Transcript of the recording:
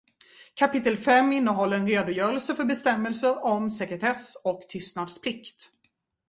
Kapitel fem innehåller en redogörelse för bestämmelser om sekretess och tystnadsplikt.